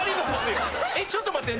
えっちょっと待って。